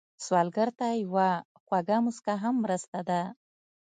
سوالګر ته یوه خوږه مسکا هم مرسته ده